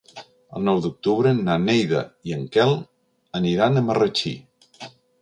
El nou d'octubre na Neida i en Quel aniran a Marratxí.